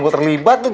aku terlalu bingung